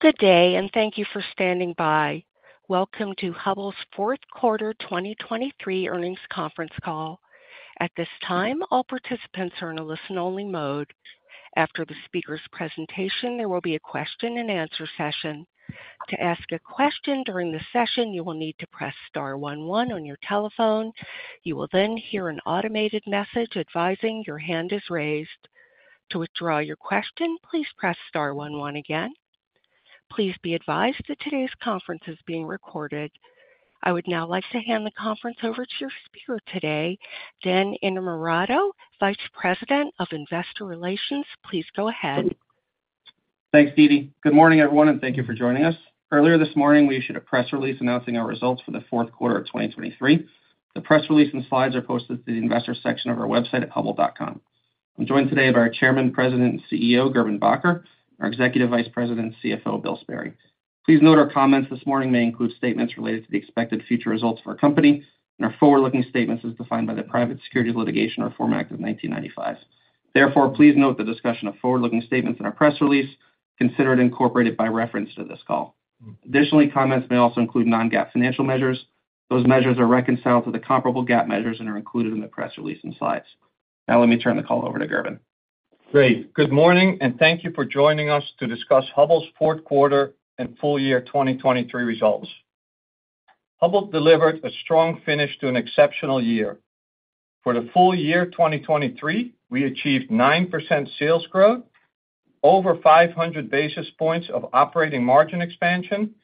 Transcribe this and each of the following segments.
Good day, and thank you for standing by. Welcome to Hubbell's fourth quarter 2023 earnings conference call. At this time, all participants are in a listen-only mode. After the speaker's presentation, there will be a question-and-answer session. To ask a question during the session, you will need to press star one one on your telephone. You will then hear an automated message advising your hand is raised. To withdraw your question, please press star one one again. Please be advised that today's conference is being recorded. I would now like to hand the conference over to your speaker today, Dan Innamorato, Vice President of Investor Relations. Please go ahead. Thanks, Dee Dee. Good morning, everyone, and thank you for joining us. Earlier this morning, we issued a press release announcing our results for the fourth quarter of 2023. The press release and slides are posted to the investor section of our website at hubbell.com. I'm joined today by our Chairman, President, and CEO, Gerben Bakker, our Executive Vice President and CFO, Bill Sperry. Please note our comments this morning may include statements related to the expected future results of our company and are forward-looking statements as defined by the Private Securities Litigation Reform Act of 1995. Therefore, please note the discussion of forward-looking statements in our press release, consider it incorporated by reference to this call. Additionally, comments may also include non-GAAP financial measures. Those measures are reconciled to the comparable GAAP measures and are included in the press release and slides. Now let me turn the call over to Gerben. Great. Good morning, and thank you for joining us to discuss Hubbell's fourth quarter and full year 2023 results. Hubbell delivered a strong finish to an exceptional year. For the full year 2023, we achieved 9% sales growth, over 500 basis points of operating margin expansion,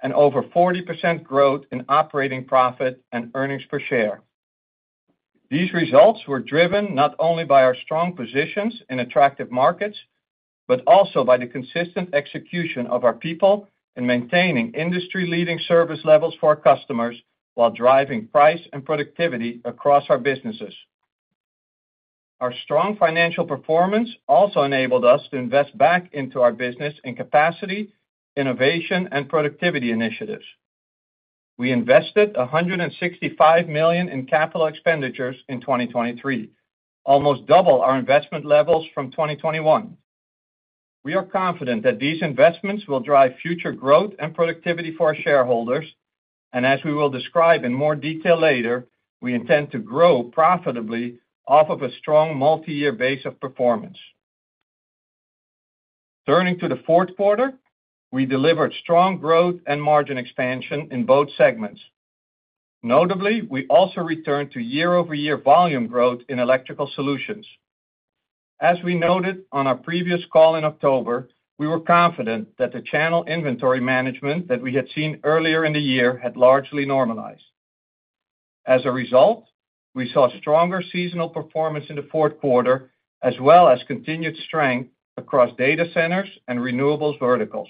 and over 40% growth in operating profit and earnings per share. These results were driven not only by our strong positions in attractive markets, but also by the consistent execution of our people in maintaining industry-leading service levels for our customers while driving price and productivity across our businesses. Our strong financial performance also enabled us to invest back into our business in capacity, innovation, and productivity initiatives. We invested $165 million in capital expenditures in 2023, almost double our investment levels from 2021. We are confident that these investments will drive future growth and productivity for our shareholders, and as we will describe in more detail later, we intend to grow profitably off of a strong multi-year base of performance. Turning to the fourth quarter, we delivered strong growth and margin expansion in both segments. Notably, we also returned to year-over-year volume growth in Electrical Solutions. As we noted on our previous call in October, we were confident that the channel inventory management that we had seen earlier in the year had largely normalized. As a result, we saw stronger seasonal performance in the fourth quarter, as well as continued strength across data centers and renewables verticals.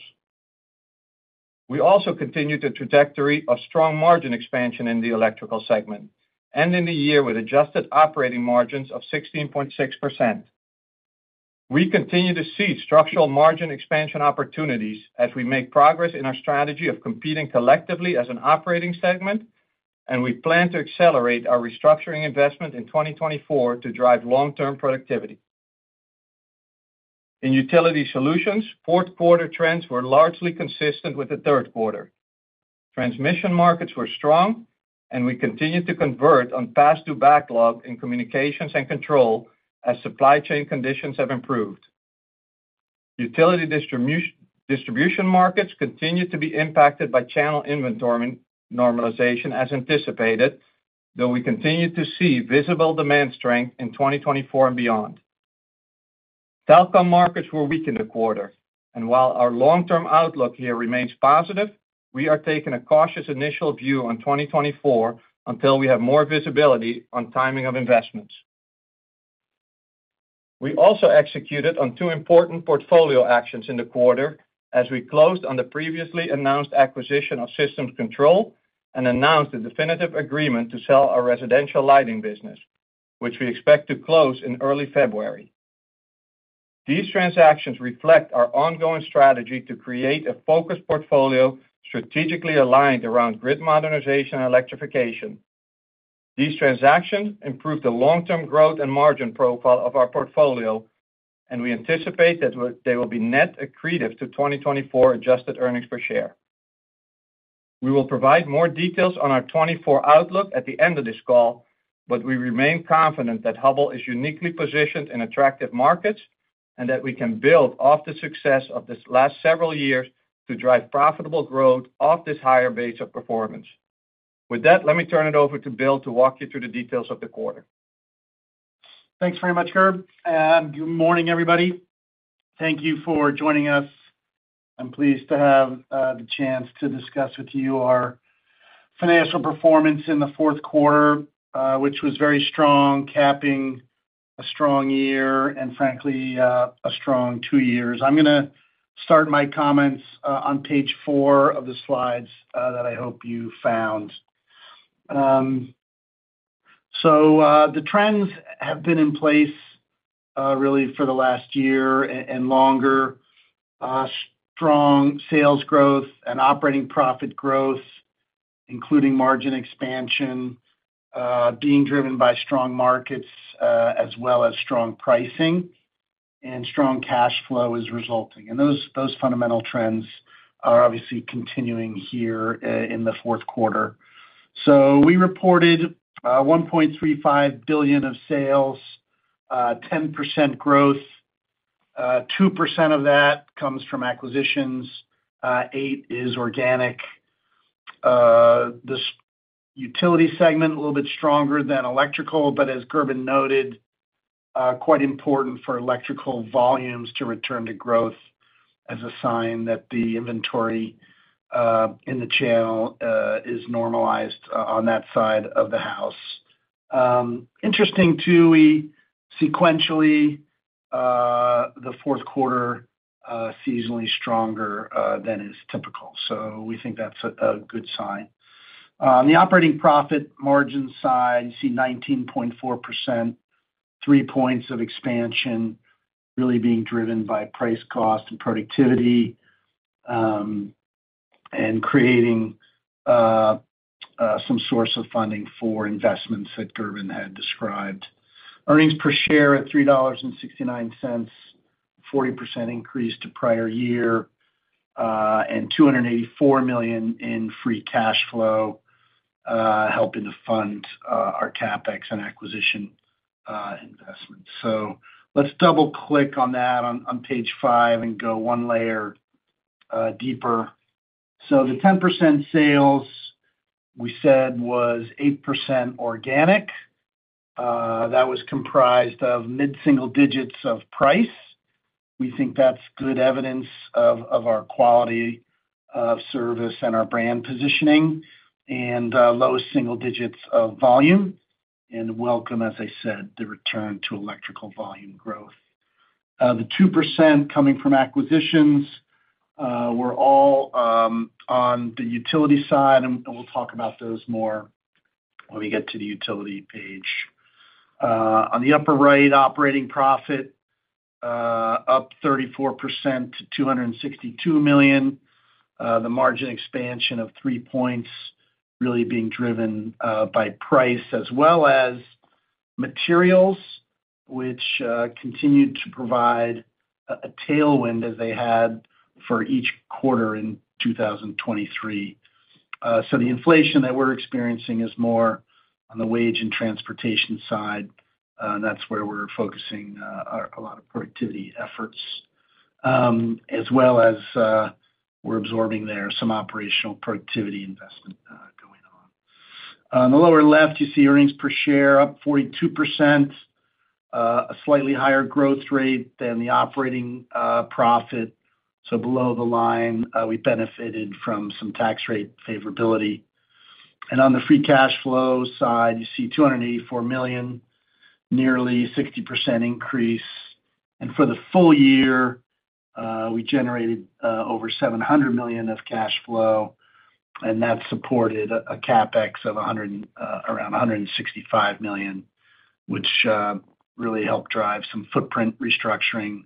We also continued the trajectory of strong margin expansion in the Electrical segment, ending the year with adjusted operating margins of 16.6%. We continue to see structural margin expansion opportunities as we make progress in our strategy of competing collectively as an operating segment, and we plan to accelerate our restructuring investment in 2024 to drive long-term productivity. In Utility Solutions, fourth quarter trends were largely consistent with the third quarter. Transmission markets were strong, and we continued to convert on pass-through backlog in communications and control as supply chain conditions have improved. Utility distribution, distribution markets continued to be impacted by channel inventory normalization as anticipated, though we continue to see visible demand strength in 2024 and beyond. Telecom markets were weak in the quarter, and while our long-term outlook here remains positive, we are taking a cautious initial view on 2024 until we have more visibility on timing of investments. We also executed on two important portfolio actions in the quarter as we closed on the previously announced acquisition of Systems Control and announced a definitive agreement to sell our residential lighting business, which we expect to close in early February. These transactions reflect our ongoing strategy to create a focused portfolio strategically aligned around grid modernization and electrification. These transactions improve the long-term growth and margin profile of our portfolio, and we anticipate that they will be net accretive to 2024 adjusted earnings per share. We will provide more details on our 2024 outlook at the end of this call, but we remain confident that Hubbell is uniquely positioned in attractive markets and that we can build off the success of this last several years to drive profitable growth off this higher base of performance. With that, let me turn it over to Bill to walk you through the details of the quarter. Thanks very much, Gerb, and good morning, everybody. Thank you for joining us. I'm pleased to have the chance to discuss with you our financial performance in the fourth quarter, which was very strong, capping a strong year and frankly, a strong two years. I'm gonna start my comments on page 4 of the slides that I hope you found. So, the trends have been in place really for the last year and longer. Strong sales growth and operating profit growth.... including margin expansion, being driven by strong markets, as well as strong pricing, and strong cash flow is resulting. And those fundamental trends are obviously continuing here, in the fourth quarter. So we reported $1.35 billion of sales, 10% growth. 2% of that comes from acquisitions, 8% is organic. This utility segment, a little bit stronger than electrical, but as Gerben noted, quite important for electrical volumes to return to growth as a sign that the inventory in the channel is normalized on that side of the house. Interesting too, we sequentially, the fourth quarter, seasonally stronger than is typical. So we think that's a good sign. On the operating profit margin side, you see 19.4%, 3 points of expansion, really being driven by price, cost, and productivity, and creating some source of funding for investments that Gerben had described. Earnings per share at $3.69, 40% increase to prior year, and $284 million in free cash flow, helping to fund our CapEx and acquisition investments. So let's double-click on that on page five and go one layer deeper. So the 10% sales, we said, was 8% organic. That was comprised of mid-single digits of price. We think that's good evidence of our quality of service and our brand positioning, and low single digits of volume, and welcome, as I said, the return to electrical volume growth. The 2% coming from acquisitions were all on the utility side, and we'll talk about those more when we get to the utility page. On the upper right, operating profit up 34% to $262 million. The margin expansion of 3 points really being driven by price as well as materials, which continued to provide a tailwind as they had for each quarter in 2023. So the inflation that we're experiencing is more on the wage and transportation side, and that's where we're focusing our a lot of productivity efforts. As well as, we're absorbing there some operational productivity investment going on. On the lower left, you see earnings per share up 42%, a slightly higher growth rate than the operating profit. So below the line, we benefited from some tax rate favorability. And on the free cash flow side, you see $284 million, nearly 60% increase. And for the full year, we generated over $700 million of cash flow, and that supported a CapEx of around $165 million, which really helped drive some footprint restructuring,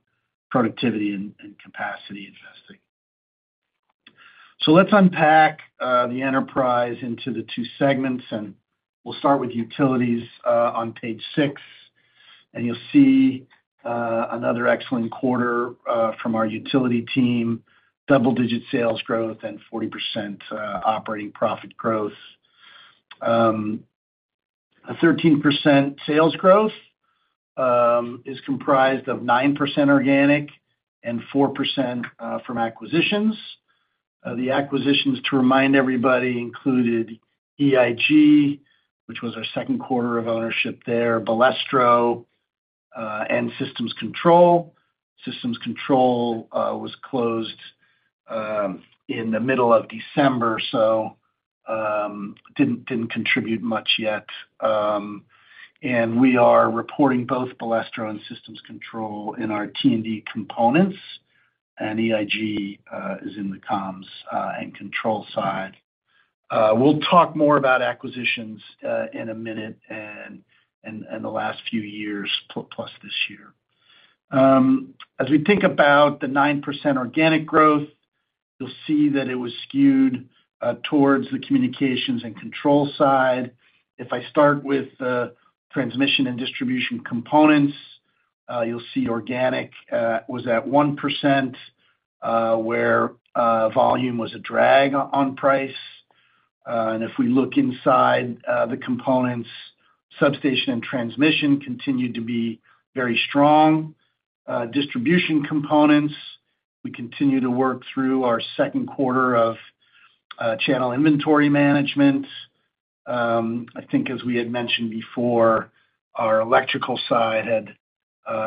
productivity, and capacity investing. So let's unpack the enterprise into the two segments, and we'll start with utilities on page six. And you'll see another excellent quarter from our utility team, double-digit sales growth and 40% operating profit growth. A 13% sales growth is comprised of 9% organic and 4% from acquisitions. The acquisitions, to remind everybody, included EIG, which was our second quarter of ownership there, Balestro, and Systems Control. Systems Control was closed in the middle of December, so didn't contribute much yet. And we are reporting both Balestro and Systems Control in our T&D components, and EIG is in the comms and control side. We'll talk more about acquisitions in a minute and the last few years plus this year. As we think about the 9% organic growth, you'll see that it was skewed towards the communications and control side. If I start with the transmission and distribution components, you'll see organic was at 1%, where volume was a drag on price. And if we look inside the components, substation and transmission continued to be very strong. Distribution components, we continue to work through our second quarter of channel inventory management. I think as we had mentioned before, our electrical side had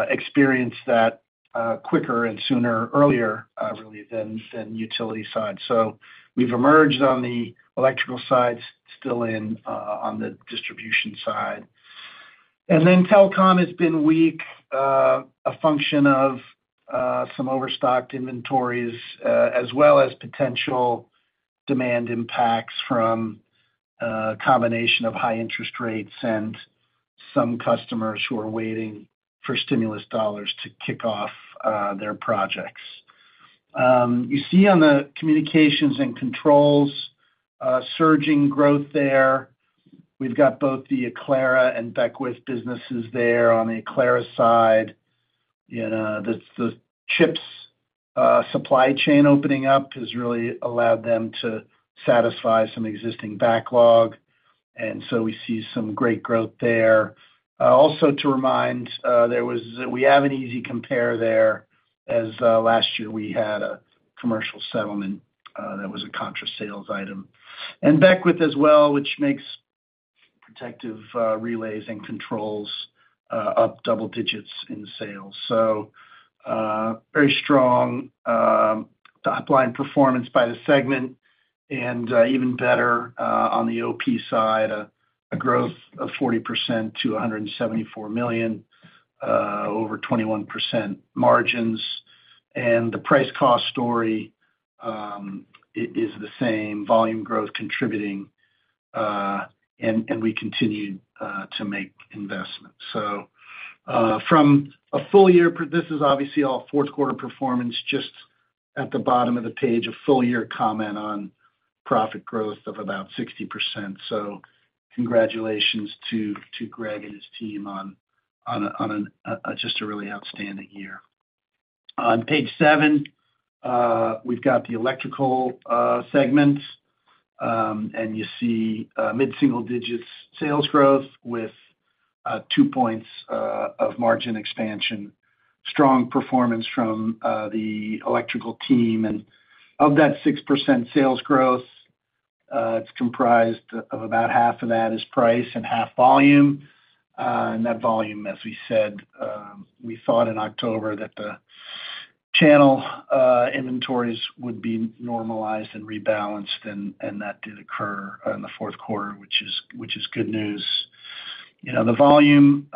experienced that quicker and sooner, earlier really than the utility side. So we've emerged on the electrical side, still in on the distribution side. And then telecom has been weak, a function of some overstocked inventories, as well as potential demand impacts from a combination of high interest rates and some customers who are waiting for stimulus dollars to kick off their projects. You see on the communications and controls, surging growth there. We've got both the Aclara and Beckwith businesses there. On the Aclara side, you know, the chips supply chain opening up has really allowed them to satisfy some existing backlog, and so we see some great growth there. Also, to remind, there was—we have an easy compare there, as last year we had a commercial settlement that was a contra sales item. And Beckwith as well, which makes protective relays and controls, up double digits in sales. So, very strong top-line performance by the segment, and even better on the OP side, a growth of 40% to $174 million over 21% margins. And the price cost story, it is the same, volume growth contributing, and we continued to make investments. So, from a full year this is obviously all fourth quarter performance, just at the bottom of the page, a full-year comment on profit growth of about 60%. So congratulations to Greg and his team on a really outstanding year. On page 7, we've got the electrical segments. And you see mid-single digits sales growth with 2 points of margin expansion. Strong performance from the electrical team. And of that 6% sales growth, it's comprised of about half of that is price and half volume. And that volume, as we said, we thought in October that the channel inventories would be normalized and rebalanced, and that did occur in the fourth quarter, which is good news. You know, the volume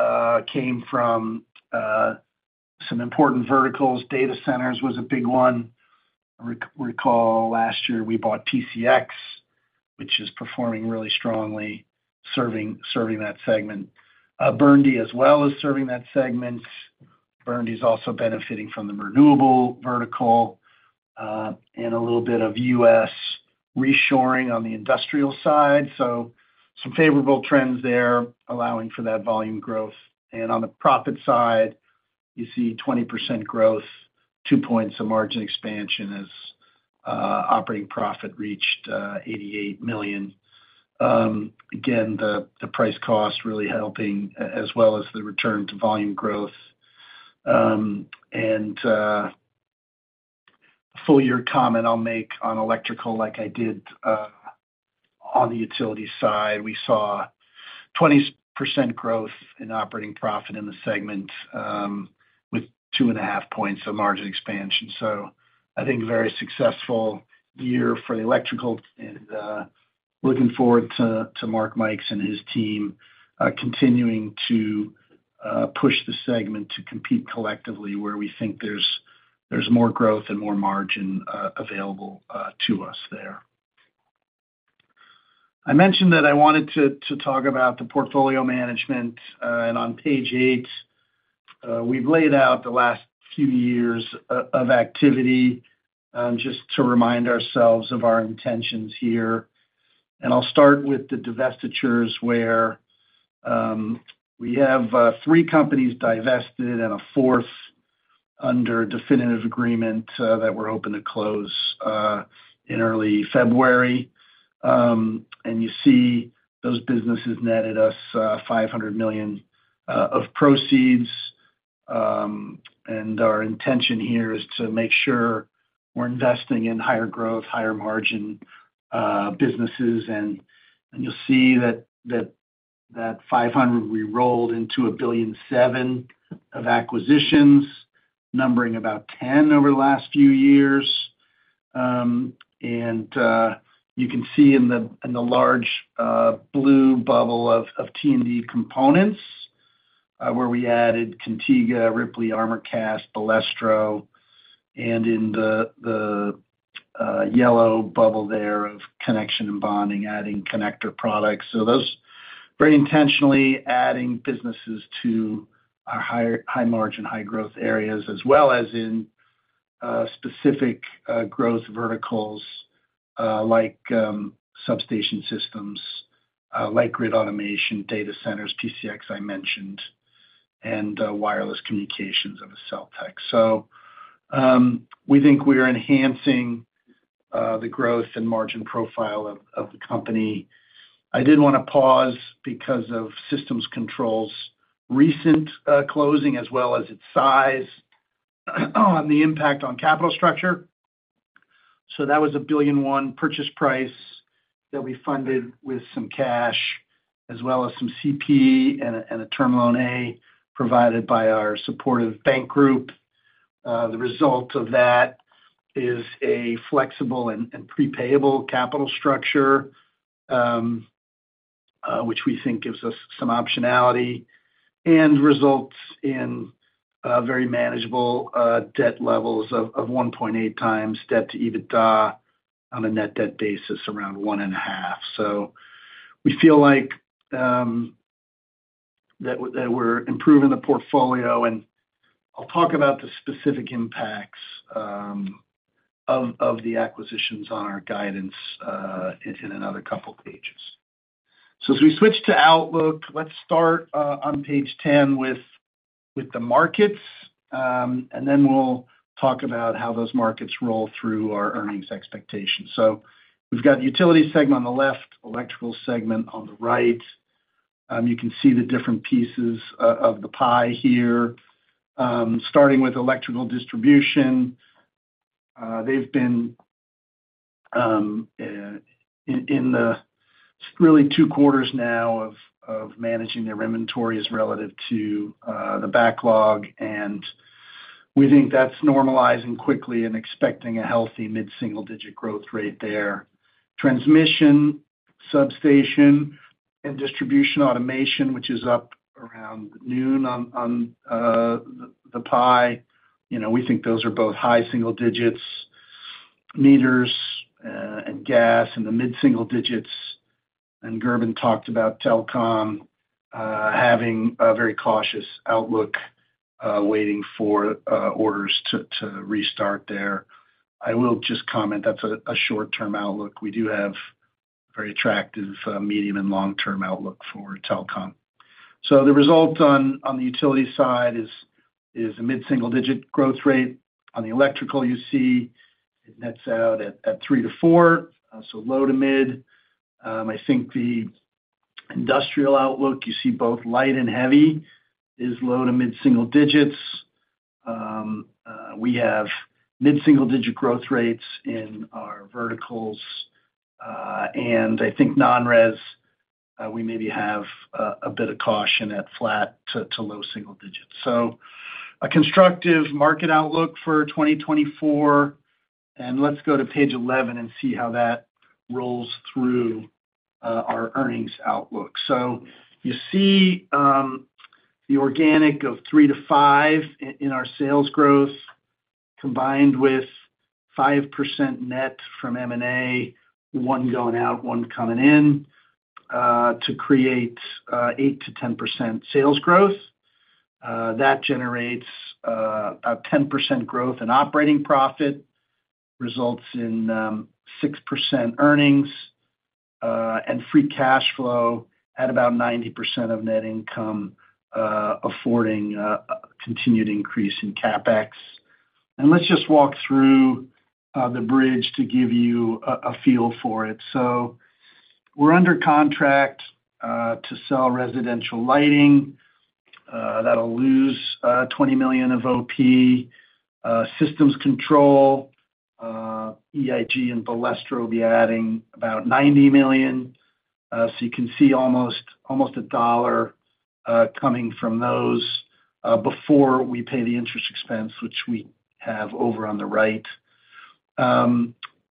came from some important verticals. Data centers was a big one. Recall last year, we bought PCX, which is performing really strongly, serving that segment. BURNDY, as well as serving that segment. BURNDY is also benefiting from the renewable vertical, and a little bit of U.S. reshoring on the industrial side. So some favorable trends there, allowing for that volume growth. And on the profit side, you see 20% growth, two points of margin expansion as operating profit reached $88 million. Again, the price cost really helping, as well as the return to volume growth. And full year comment I'll make on electrical, like I did on the utility side, we saw 20% growth in operating profit in the segment, with two and a half points of margin expansion. So I think very successful year for the electrical, and looking forward to Mark Mikes and his team continuing to push the segment to compete collectively where we think there's more growth and more margin available to us there. I mentioned that I wanted to talk about the portfolio management, and on page 8, we've laid out the last few years of activity just to remind ourselves of our intentions here. I'll start with the divestitures, where we have 3 companies divested and a fourth under definitive agreement that we're open to close in early February. You see those businesses netted us $500 million of proceeds. Our intention here is to make sure we're investing in higher growth, higher margin businesses. You'll see that 500, we rolled into $1.7 billion of acquisitions, numbering about 10 over the last few years. You can see in the large blue bubble of T&D components, where we added Cantega, Ripley, Armorcast, Balestro, and in the yellow bubble there of connection and bonding, adding Connector Products. So those very intentionally adding businesses to our higher high-margin, high-growth areas, as well as in specific growth verticals, like substation systems, like grid automation, data centers, PCX, I mentioned, and wireless communications of AccelTex. So we think we are enhancing the growth and margin profile of the company. I did want to pause because of Systems Control's recent closing, as well as its size, on the impact on capital structure. So that was a $1.1 billion purchase price that we funded with some cash, as well as some CP and a Term Loan A, provided by our supportive bank group. The result of that is a flexible and prepayable capital structure, which we think gives us some optionality and results in very manageable debt levels of 1.8 times debt to EBITDA on a net debt basis around 1.5. So we feel like that we're improving the portfolio, and I'll talk about the specific impacts of the acquisitions on our guidance in another couple of pages. So as we switch to outlook, let's start on page 10 with the markets, and then we'll talk about how those markets roll through our earnings expectations. So we've got the utility segment on the left, electrical segment on the right. You can see the different pieces of the pie here. Starting with electrical distribution, they've been in the really two quarters now of managing their inventories relative to the backlog, and we think that's normalizing quickly and expecting a healthy mid-single-digit growth rate there. Transmission, substation, and distribution automation, which is up around noon on the pie, you know, we think those are both high single digits, meters and gas in the mid-single digits. And Gerben talked about telecom having a very cautious outlook waiting for orders to restart there. I will just comment, that's a short-term outlook. We do have very attractive medium and long-term outlook for telecom. So the result on the utility side is a mid-single-digit growth rate. On the electrical, you see it nets out at 3-4, so low to mid. I think the industrial outlook, you see both light and heavy, is low to mid-single digits. We have mid-single-digit growth rates in our verticals, and I think non-res, we maybe have a bit of caution at flat to low single digits. So a constructive market outlook for 2024, and let's go to page 11 and see how that rolls through our earnings outlook. So you see the organic of 3-5 in our sales growth, combined with 5% net from M&A, one going out, one coming in, to create 8%-10% sales growth. That generates a 10% growth in operating profit, results in 6% earnings, and free cash flow at about 90% of net income, affording a continued increase in CapEx. Let's just walk through the bridge to give you a feel for it. We're under contract to sell residential lighting. That'll lose $20 million of OP. Systems Control, EIG and Balestro will be adding about $90 million. So you can see almost a dollar coming from those before we pay the interest expense, which we have over on the right.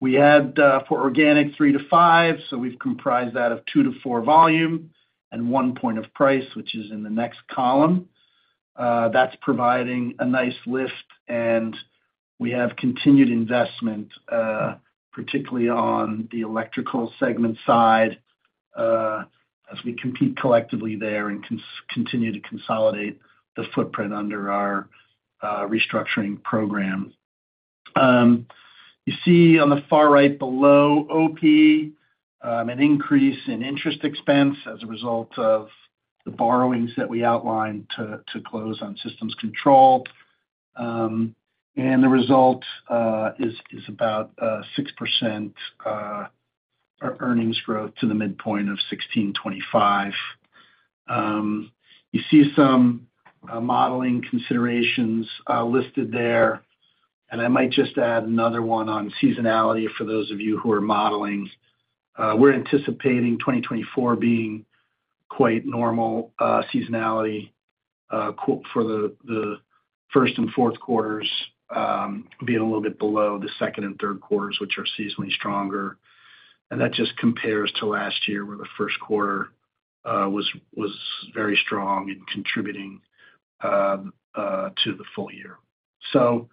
We add for organic 3-5, so we've comprised that of 2-4 volume and 1 point of price, which is in the next column. That's providing a nice lift, and we have continued investment, particularly on the electrical segment side, as we compete collectively there and continue to consolidate the footprint under our restructuring program. You see on the far right below OP, an increase in interest expense as a result of the borrowings that we outlined to close on Systems Control. And the result is about 6% earnings growth to the midpoint of $16.25. You see some modeling considerations listed there, and I might just add another one on seasonality for those of you who are modeling. We're anticipating 2024 being quite normal seasonality for the first and fourth quarters being a little bit below the second and third quarters, which are seasonally stronger. And that just compares to last year, where the first quarter was very strong in contributing to the full year. So,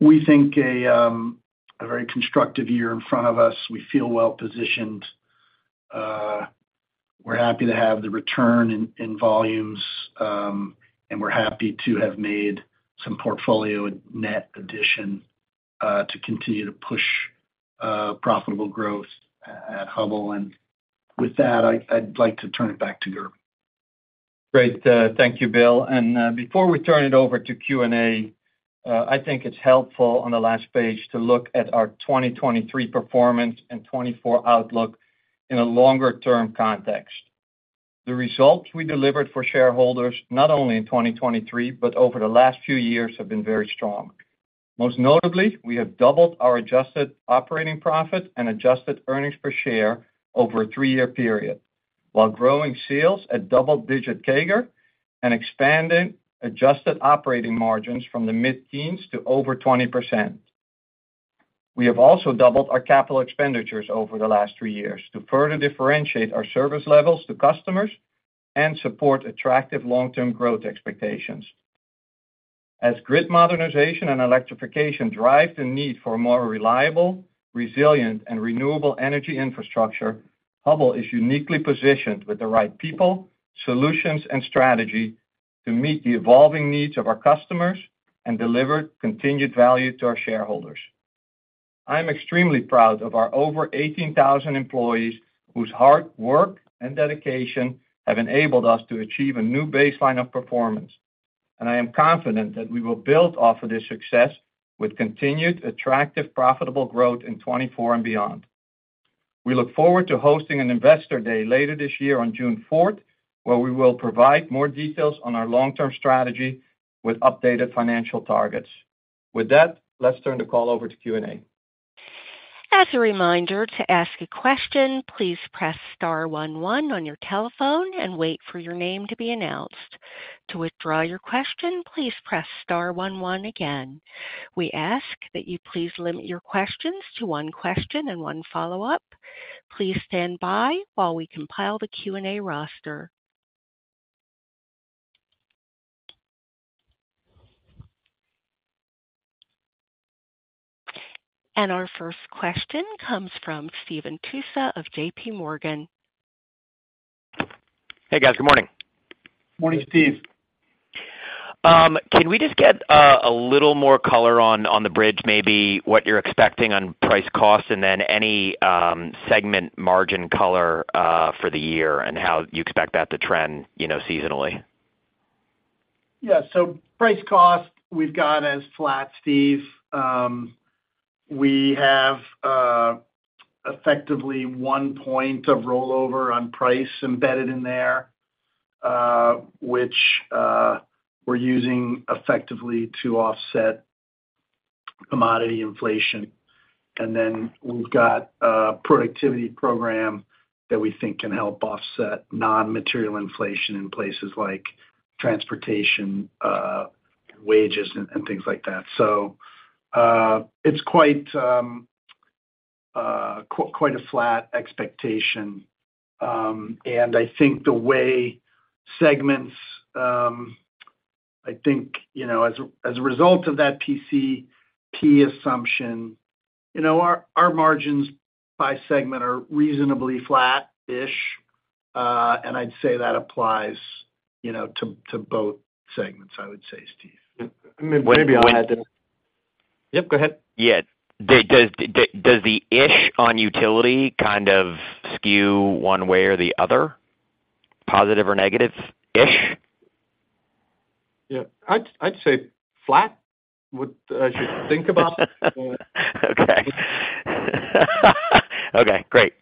we think a very constructive year in front of us. We feel well positioned. We're happy to have the return in volumes, and we're happy to have made some portfolio net addition to continue to push profitable growth at Hubbell. And with that, I'd like to turn it back to Gerben. Great. Thank you, Bill. And, before we turn it over to Q&A, I think it's helpful on the last page to look at our 2023 performance and 2024 outlook in a longer-term context. The results we delivered for shareholders, not only in 2023, but over the last few years, have been very strong. Most notably, we have doubled our adjusted operating profit and adjusted earnings per share over a three-year period, while growing sales at double-digit CAGR and expanding adjusted operating margins from the mid-teens to over 20%. We have also doubled our capital expenditures over the last three years to further differentiate our service levels to customers and support attractive long-term growth expectations. As grid modernization and electrification drive the need for a more reliable, resilient, and renewable energy infrastructure, Hubbell is uniquely positioned with the right people, solutions, and strategy to meet the evolving needs of our customers and deliver continued value to our shareholders. I am extremely proud of our over 18,000 employees, whose hard work and dedication have enabled us to achieve a new baseline of performance, and I am confident that we will build off of this success with continued attractive, profitable growth in 2024 and beyond. We look forward to hosting an Investor Day later this year on June fourth, where we will provide more details on our long-term strategy with updated financial targets. With that, let's turn the call over to Q&A. As a reminder, to ask a question, please press star one one on your telephone and wait for your name to be announced. To withdraw your question, please press star one one again. We ask that you please limit your questions to one question and one follow-up. Please stand by while we compile the Q&A roster. Our first question comes from Stephen Tusa of J.P. Morgan. Hey, guys. Good morning. Morning, Steve. Can we just get a little more color on the bridge, maybe what you're expecting on price cost, and then any segment margin color for the year, and how you expect that to trend, you know, seasonally? Yeah. So price cost, we've got as flat, Steve. We have effectively 1 point of rollover on price embedded in there, which we're using effectively to offset commodity inflation. And then we've got a productivity program that we think can help offset non-material inflation in places like transportation, wages, and things like that. So it's quite a flat expectation. And I think the way segments... I think, you know, as a result of that PCP assumption, you know, our margins by segment are reasonably flat-ish, and I'd say that applies, you know, to both segments, I would say, Steve. Maybe I'll add there. Yep, go ahead. Yeah. Does the issue on utility kind of skew one way or the other, positive or negative-ish? Yeah. I'd say flat, what I should think about. Okay. Okay, great.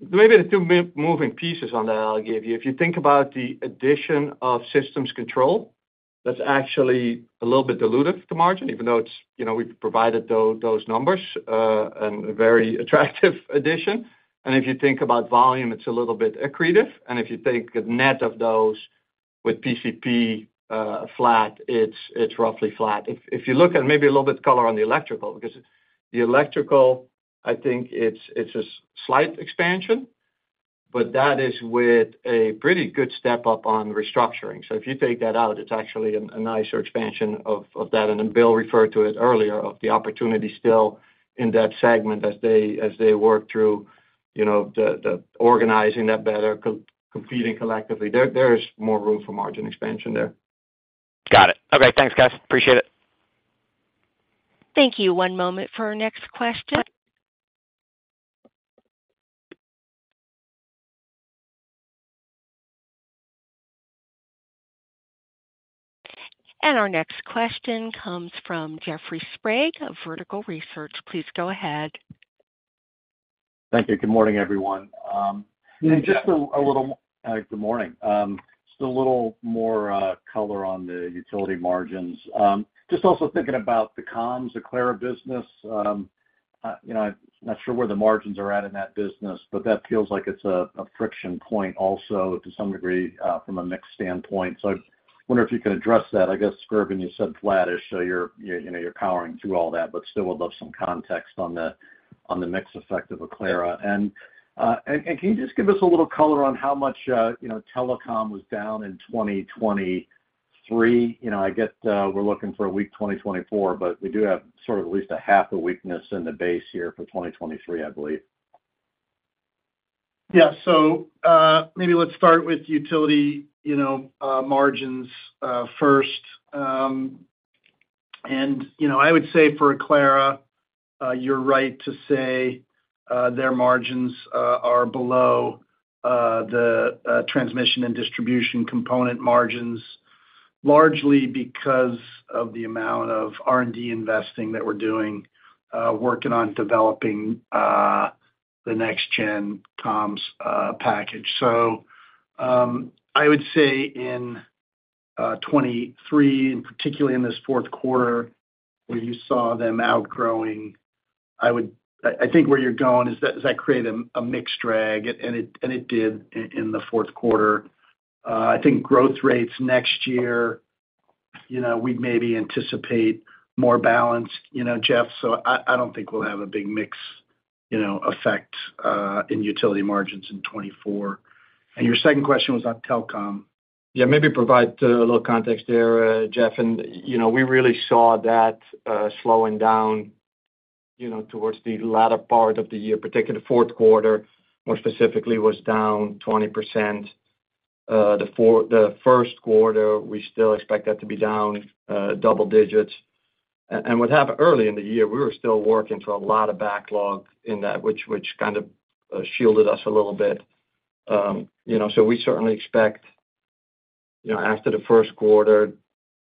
Maybe the two moving pieces on that I'll give you. If you think about the addition of Systems Control, that's actually a little bit dilutive to margin, even though it's, you know, we've provided those numbers, and a very attractive addition. And if you think about volume, it's a little bit accretive. And if you take a net of those with PCP flat, it's roughly flat. If you look at maybe a little bit color on the electrical, because the electrical, I think it's a slight expansion, but that is with a pretty good step-up on restructuring. So if you take that out, it's actually a nicer expansion of that. And then Bill referred to it earlier, of the opportunity still in that segment as they work through, you know, the organizing that better, competing collectively. There is more room for margin expansion there. Got it. Okay. Thanks, guys. Appreciate it. Thank you. One moment for our next question. Our next question comes from Jeffrey Sprague of Vertical Research. Please go ahead. Thank you. Good morning, everyone. Hey, Jeff. Just a little... good morning. Just a little more color on the utility margins. Just also thinking about the comms, the Aclara business. You know, I'm not sure where the margins are at in that business, but that feels like it's a friction point also, to some degree, from a mix standpoint. So I wonder if you could address that. I guess, Gerben, you said flattish, so you know, you're powering through all that, but still would love some context on the mix effect of Aclara. And can you just give us a little color on how much, you know, telecom was down in 2023? You know, I get, we're looking for a weak 2024, but we do have sort of at least a half a weakness in the base here for 2023, I believe. Yeah. So, maybe let's start with utility, you know, margins first. And, you know, I would say for Aclara, you're right to say their margins are below the transmission and distribution component margins. Largely because of the amount of R&D investing that we're doing, working on developing the next gen comms package. So, I would say in 2023, and particularly in this fourth quarter, where you saw them outgrowing, I think where you're going is that, does that create a mixed drag? And it did in the fourth quarter. I think growth rates next year, you know, we'd maybe anticipate more balance, you know, Jeff. So I don't think we'll have a big mix effect in utility margins in 2024. Your second question was on telecom. Yeah, maybe provide a little context there, Jeff, and, you know, we really saw that slowing down, you know, towards the latter part of the year, particularly the fourth quarter, more specifically, was down 20%. The first quarter, we still expect that to be down double digits. And what happened early in the year, we were still working through a lot of backlog in that, which kind of shielded us a little bit. You know, so we certainly expect, you know, after the first quarter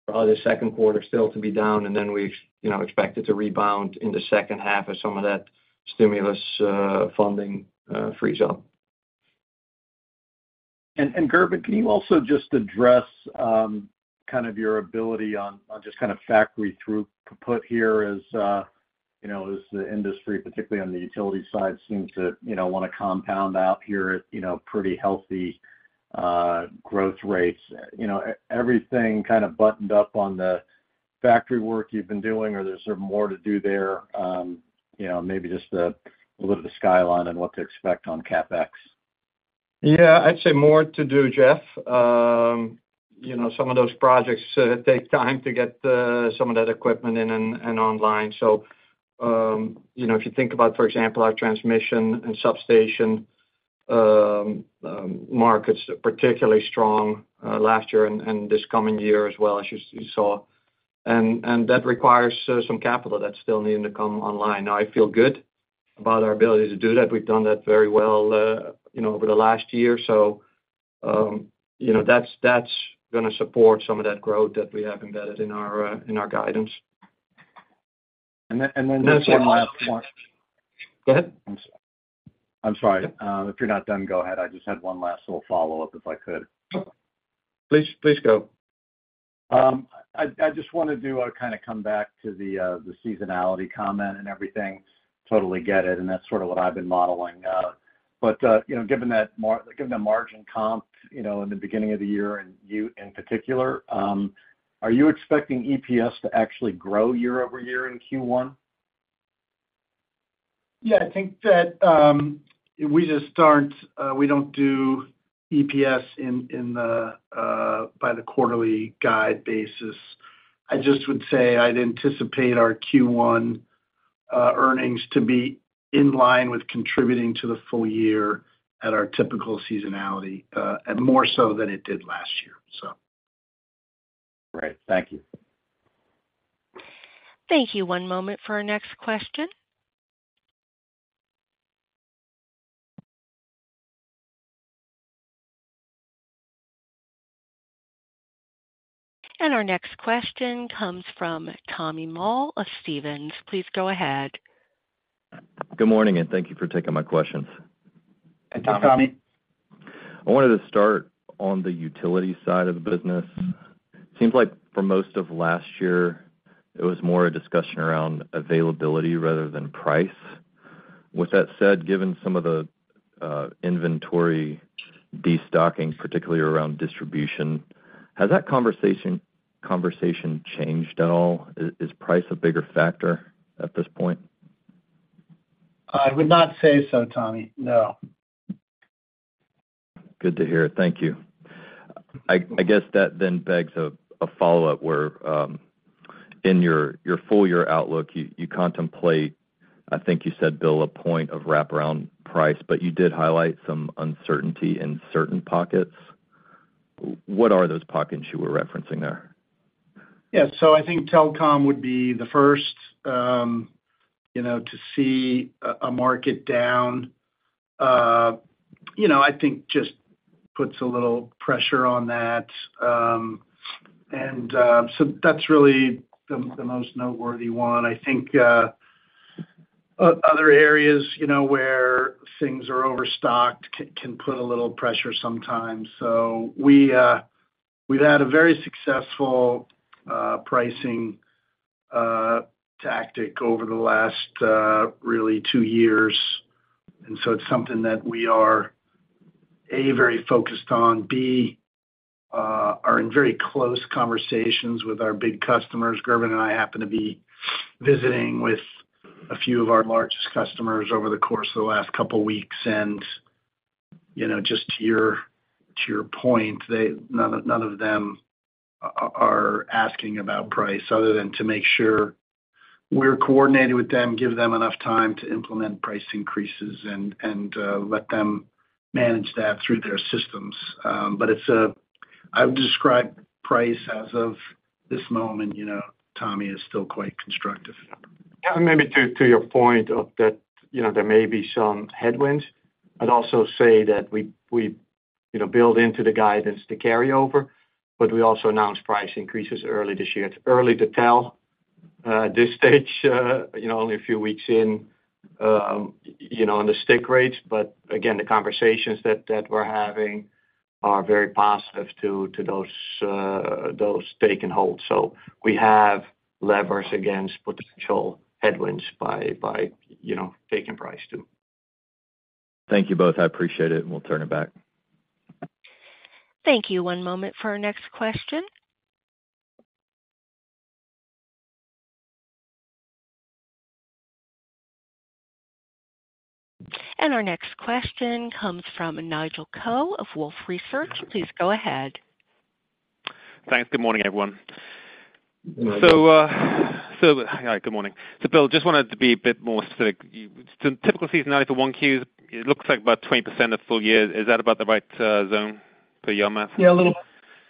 or the second quarter still to be down, and then we, you know, expect it to rebound in the second half as some of that stimulus funding frees up. Gerben, can you also just address kind of your ability on just kind of factory throughput here as you know as the industry, particularly on the utility side, seems to you know wanna compound out here at you know pretty healthy growth rates. You know everything kind of buttoned up on the factory work you've been doing, or there's sort of more to do there? You know, maybe just a little bit of the skyline on what to expect on CapEx. Yeah, I'd say more to do, Jeff. You know, some of those projects take time to get some of that equipment in and online. So, you know, if you think about, for example, our transmission and substation markets, particularly strong last year and this coming year as well, as you saw. And that requires some capital that's still needing to come online. Now, I feel good about our ability to do that. We've done that very well, you know, over the last year. So, you know, that's gonna support some of that growth that we have embedded in our guidance. And then one last one. Go ahead. I'm sorry. If you're not done, go ahead. I just had one last little follow-up, if I could. Sure. Please, please go. I just wanted to kind of come back to the seasonality comment and everything. Totally get it, and that's sort of what I've been modeling. But you know, given the margin comp, you know, in the beginning of the year, and you in particular, are you expecting EPS to actually grow year-over-year in Q1? Yeah, I think that, we just aren't, we don't do EPS in the by the quarterly guide basis. I just would say I'd anticipate our Q1 earnings to be in line with contributing to the full year at our typical seasonality, and more so than it did last year, so. Great. Thank you. Thank you. One moment for our next question. Our next question comes from Tommy Moll of Stephens. Please go ahead. Good morning, and thank you for taking my questions. Thank you, Tommy. Tommy. I wanted to start on the utility side of the business. Seems like for most of last year, it was more a discussion around availability rather than price. With that said, given some of the inventory destocking, particularly around distribution, has that conversation changed at all? Is price a bigger factor at this point? I would not say so, Tommy. No. Good to hear. Thank you. I guess that then begs a follow-up, where in your full year outlook, you contemplate, I think you said, Bill, a point of wraparound price, but you did highlight some uncertainty in certain pockets. What are those pockets you were referencing there? Yeah, so I think telecom would be the first, you know, to see a market down, you know, I think just puts a little pressure on that. And so that's really the most noteworthy one. I think other areas, you know, where things are overstocked can put a little pressure sometimes. So we've had a very successful pricing tactic over the last really two years, and so it's something that we are, A, very focused on, B, are in very close conversations with our big customers. Gerben and I happen to be visiting with a few of our largest customers over the course of the last couple weeks, and, you know, just to your point, they... None of them are asking about price, other than to make sure we're coordinating with them, give them enough time to implement price increases and let them manage that through their systems. But it's, I would describe price as of this moment, you know, Tommy, as still quite constructive. Yeah, and maybe to your point of that, you know, there may be some headwinds. I'd also say that we you know build into the guidance to carry over, but we also announced price increases early this year. It's early to tell at this stage, you know, only a few weeks in, you know, on the stick rates, but again, the conversations that we're having are very positive to those take and hold. So we have levers against potential headwinds by you know taking price, too.... Thank you both. I appreciate it, and we'll turn it back. Thank you. One moment for our next question. Our next question comes from Nigel Coe of Wolfe Research. Please go ahead. Thanks. Good morning, everyone. Good morning. Hi, good morning. Bill, just wanted to be a bit more specific. Typical seasonality for Q1, it looks like about 20% of full year. Is that about the right zone for your math? Yeah, a little.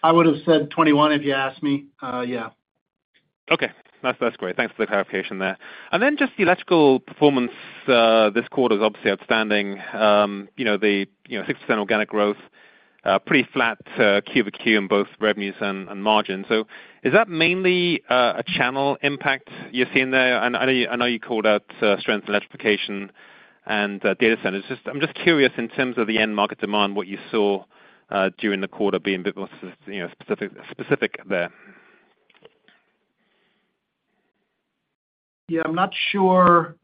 I would have said 21, if you asked me, yeah. Okay. That's, that's great. Thanks for the clarification there. And then just the electrical performance this quarter is obviously outstanding. You know, the, you know, 6% organic growth, pretty flat, Q-over-Q in both revenues and margin. So is that mainly a channel impact you're seeing there? And I know you, I know you called out, strength in electrification and data centers. Just—I'm just curious in terms of the end market demand, what you saw during the quarter being a bit more, you know, specific, specific there. Yeah, I'm not sure,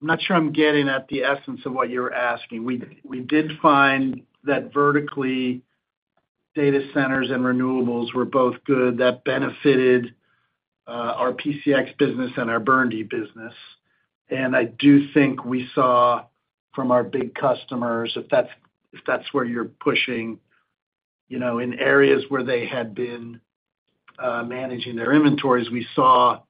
I'm not sure I'm getting at the essence of what you're asking. We, we did find that vertically, data centers and renewables were both good. That benefited our PCX business and our BURNDY business. And I do think we saw from our big customers, if that's, if that's where you're pushing, you know, in areas where they had been managing their inventories, we saw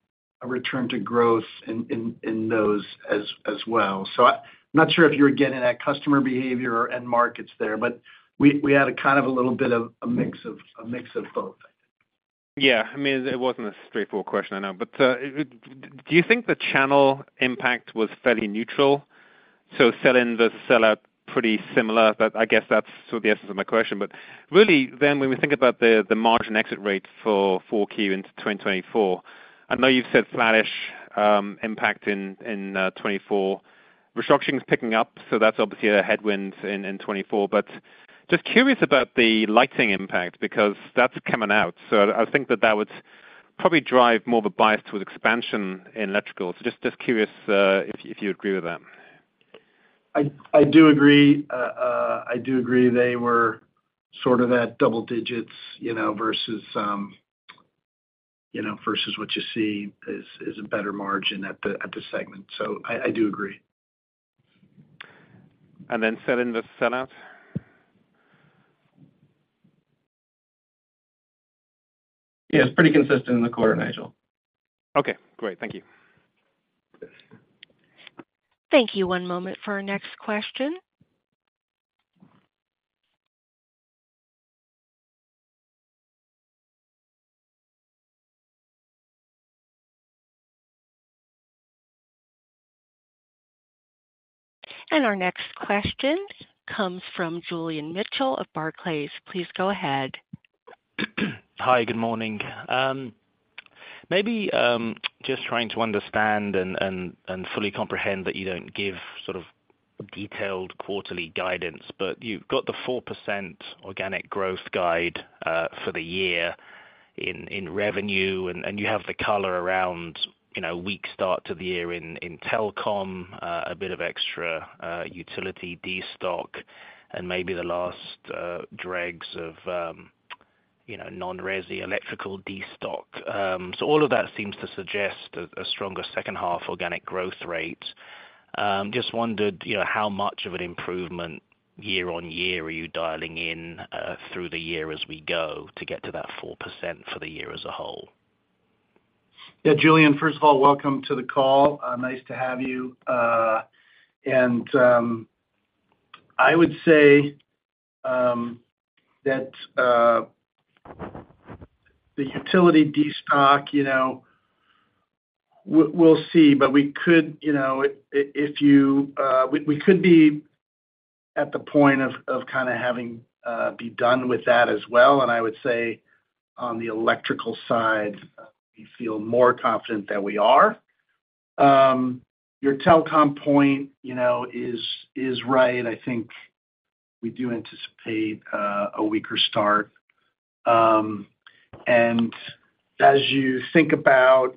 a return to growth in, in, in those as, as well. So, I'm not sure if you're getting at customer behavior or end markets there, but we, we had a kind of a little bit of a mix of, a mix of both. Yeah. I mean, it wasn't a straightforward question, I know. But, do you think the channel impact was fairly neutral? So sell-in, the sell-out, pretty similar, but I guess that's sort of the essence of my question. But really then when we think about the margin exit rate for 4Q into 2024, I know you've said flattish impact in 2024. Restructuring is picking up, so that's obviously a headwind in 2024. But just curious about the lighting impact, because that's coming out. So I think that that would probably drive more of a bias towards expansion in electrical. So just curious if you agree with that. I do agree. I do agree. They were sort of at double digits, you know, versus, you know, versus what you see is a better margin at the segment. So I do agree. Then sell-in the sell-out? Yeah, it's pretty consistent in the quarter, Nigel. Okay, great. Thank you. Thank you. One moment for our next question. Our next question comes from Julian Mitchell of Barclays. Please go ahead. Hi, good morning. Maybe just trying to understand and fully comprehend that you don't give sort of detailed quarterly guidance, but you've got the 4% organic growth guide for the year in revenue, and you have the color around, you know, weak start to the year in telecom, a bit of extra utility destock and maybe the last dregs of, you know, non-resi electrical destock. So all of that seems to suggest a stronger second half organic growth rate. Just wondered, you know, how much of an improvement year on year are you dialing in through the year as we go to get to that 4% for the year as a whole? Yeah, Julian, first of all, welcome to the call. Nice to have you. And I would say that the utility destock, you know, we'll see, but we could, you know, if, if you... We could be at the point of kind of having be done with that as well, and I would say on the electrical side, we feel more confident than we are. Your telecom point, you know, is right. I think we do anticipate a weaker start. And as you think about,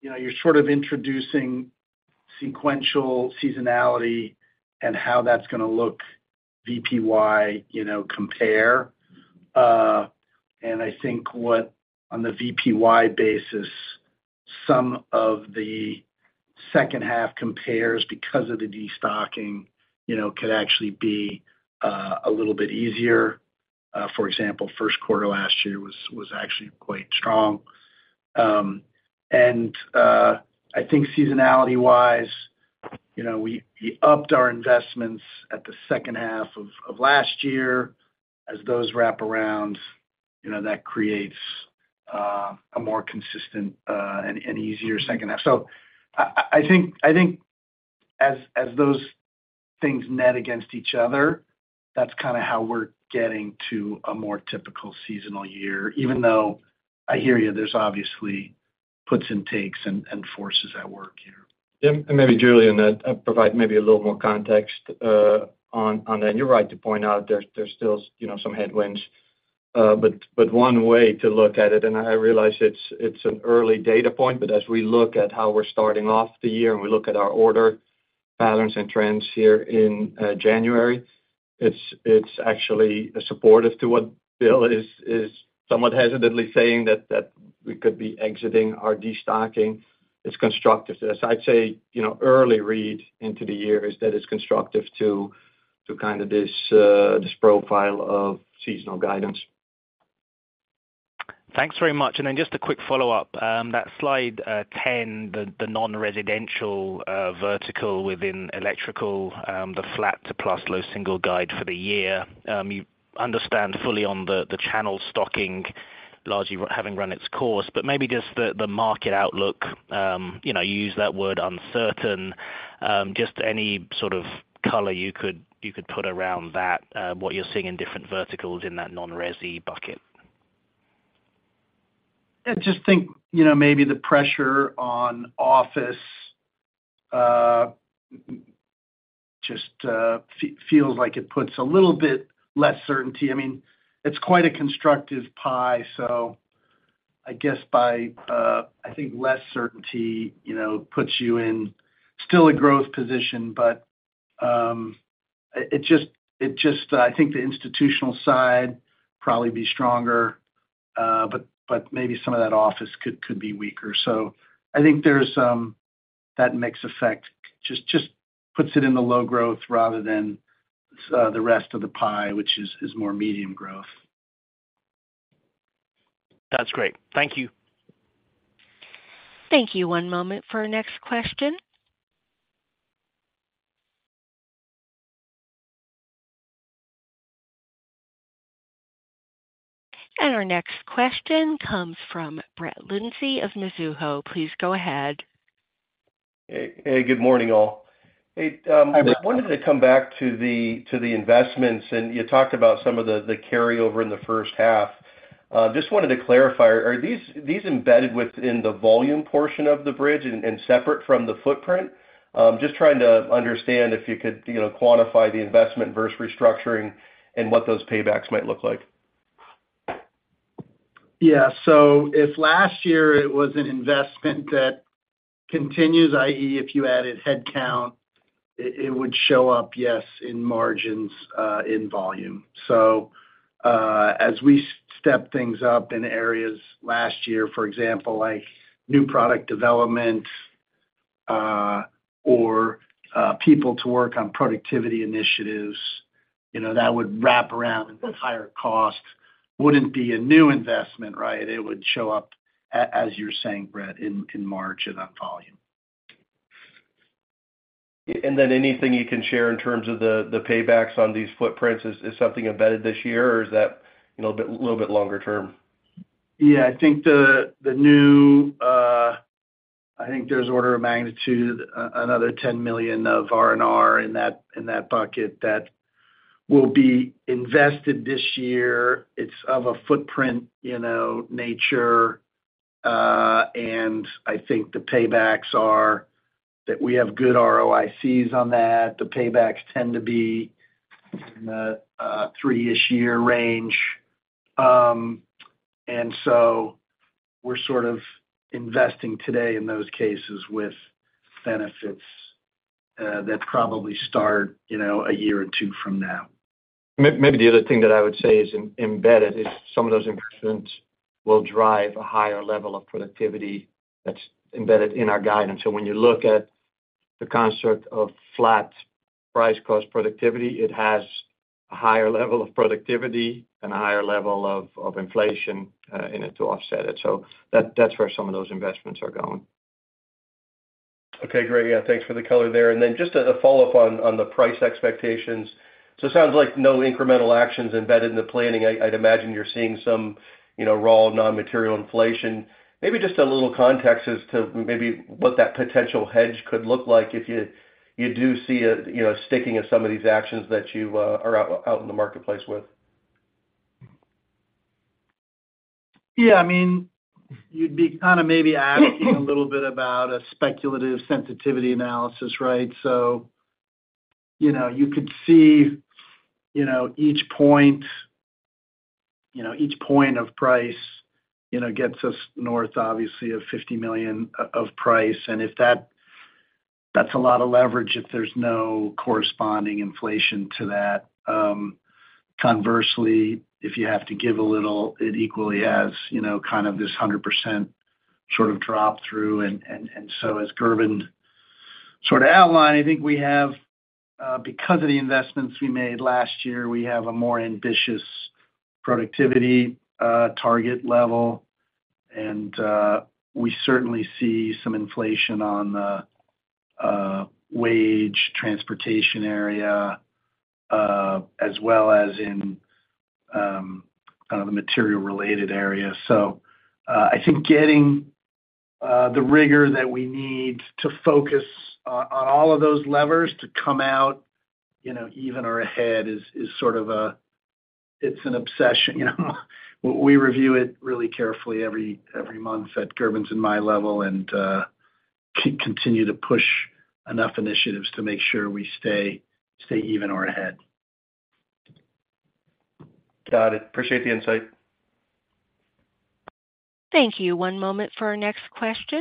you know, you're sort of introducing sequential seasonality and how that's gonna look VPY, you know, compare. And I think what on the VPY basis, some of the second half compares because of the destocking, you know, could actually be a little bit easier. For example, first quarter last year was actually quite strong. I think seasonality-wise, you know, we upped our investments at the second half of last year. As those wrap around, you know, that creates a more consistent and easier second half. So I think as those things net against each other, that's kind of how we're getting to a more typical seasonal year, even though I hear you, there's obviously puts and takes and forces at work here. Yeah, and maybe Julian, I'd provide maybe a little more context on that. You're right to point out there's still, you know, some headwinds.... but one way to look at it, and I realize it's an early data point, but as we look at how we're starting off the year, and we look at our order balance and trends here in January, it's actually supportive to what Bill is somewhat hesitantly saying that we could be exiting our destocking. It's constructive. As I'd say, you know, early read into the year is that it's constructive to kind of this profile of seasonal guidance. Thanks very much. And then just a quick follow-up. That slide 10, the non-residential vertical within electrical, the flat to plus low single guide for the year. You understand fully on the channel stocking, largely having run its course, but maybe just the market outlook, you know, you use that word uncertain. Just any sort of color you could put around that, what you're seeing in different verticals in that non-resi bucket? I just think, you know, maybe the pressure on office just feels like it puts a little bit less certainty. I mean, it's quite a constructive pie, so I guess I think less certainty, you know, puts you in still a growth position, but it just it just—I think the institutional side probably be stronger, but maybe some of that office could be weaker. So I think there's that mix effect just puts it in the low growth rather than the rest of the pie, which is more medium growth. That's great. Thank you. Thank you. One moment for our next question. Our next question comes from Brett Linzey of Mizuho. Please go ahead. Hey, good morning, all. Hi, Brett. Hey, I wanted to come back to the investments, and you talked about some of the carryover in the first half. Just wanted to clarify, are these embedded within the volume portion of the bridge and separate from the footprint? Just trying to understand if you could, you know, quantify the investment versus restructuring and what those paybacks might look like. Yeah. So if last year it was an investment that continues, i.e., if you added headcount, it would show up, yes, in margins, in volume. So, as we step things up in areas last year, for example, like new product development, or people to work on productivity initiatives, you know, that would wrap around in the higher cost, wouldn't be a new investment, right? It would show up as you're saying, Brett, in margin and volume. And then anything you can share in terms of the paybacks on these footprints? Is something embedded this year, or is that, you know, a bit, little bit longer term? Yeah, I think the new, I think there's order of magnitude, another $10 million of R&R in that bucket that will be invested this year. It's of a footprint, you know, nature, and I think the paybacks are that we have good ROICs on that. The paybacks tend to be in the 3-ish year range. And so we're sort of investing today in those cases with benefits that probably start, you know, a year or two from now. Maybe the other thing that I would say is, embedded in some of those investments will drive a higher level of productivity that's embedded in our guidance. So when you look at the construct of flat price cost productivity, it has a higher level of productivity and a higher level of inflation in it to offset it. So that's where some of those investments are going. Okay, great. Yeah, thanks for the color there. And then just a follow-up on the price expectations. So it sounds like no incremental actions embedded in the planning. I'd imagine you're seeing some, you know, raw, non-material inflation. Maybe just a little context as to maybe what that potential hedge could look like if you do see a you know sticking of some of these actions that you are out in the marketplace with. Yeah, I mean, you'd be kind of maybe asking a little bit about a speculative sensitivity analysis, right? So, you know, you could see, you know, each point, you know, each point of price, you know, gets us north, obviously, of $50 million of price. And if that's a lot of leverage if there's no corresponding inflation to that. Conversely, if you have to give a little, it equally has, you know, kind of this 100% sort of drop through. And so as Gerben sort of outlined, I think we have, because of the investments we made last year, we have a more ambitious productivity target level, and we certainly see some inflation on the wage, transportation area, as well as in kind of the material-related area. So, I think getting the rigor that we need to focus on all of those levers to come out, you know, even or ahead, is sort of, it's an obsession, you know? We review it really carefully every month at Gerben's and my level, and continue to push enough initiatives to make sure we stay even or ahead. Got it. Appreciate the insight. Thank you. One moment for our next question.